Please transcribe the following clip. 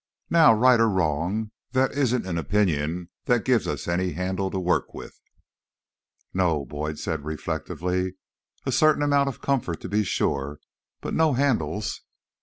Now, right or wrong, that isn't an opinion that gives us any handle to work with." "No," Boyd said reflectively. "A certain amount of comfort, to be sure, but no handles."